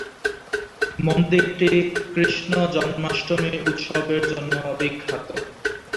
মন্দিরটি কৃষ্ণ জন্মাষ্টমী উৎসবের জন্য বিখ্যাত।